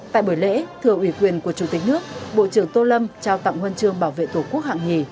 tại buổi lễ thưa ủy quyền của chủ tịch nước bộ trưởng tô lâm trao tặng huân chương bảo vệ tổ quốc hạng nhì